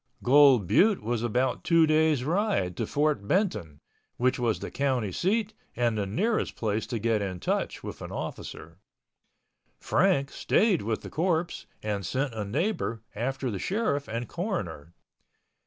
Gold Butte was about two days' ride to Fort Benton, which was the county seat and the nearest place to get in touch with an officer. Frank stayed with the corpse and sent a neighbor after the sheriff and coroner.